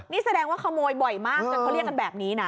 นี่แสดงว่าขโมยบ่อยมากจนเขาเรียกกันแบบนี้นะ